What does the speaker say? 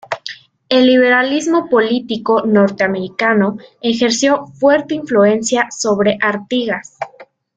El liberalismo político norteamericano ejerció fuerte influencia sobre Artigas.